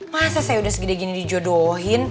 masa saya udah segini gini dijodohin